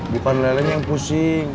bukan lele yang pusing